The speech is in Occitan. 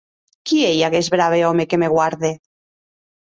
Qui ei aguest brave òme que me guarde?